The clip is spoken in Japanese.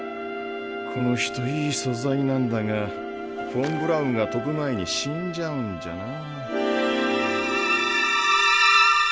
この人いい素材なんだがフォン・ブラウンが飛ぶ前に死んじゃうんじゃなぁ。